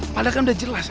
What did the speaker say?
padahal kan udah jelas